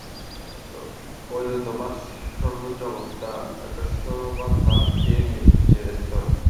অদ্বৈতবাদ সর্বোচ্চ অবস্থা, একেশ্বরবাদ তার চেয়ে নীচের স্তর।